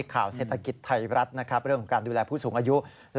ข่าวเศรษฐกิจไทยรัฐเรื่องของการดูแลผู้สูงอายุ